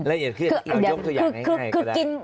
ละเอียดขึ้นเอายกตัวอย่างง่ายก็ได้